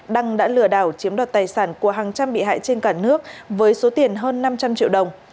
đăng đã lừa đảo chiếm đoạt tài sản của hàng trăm bị hại trên cả nước với số tiền hơn năm trăm linh triệu đồng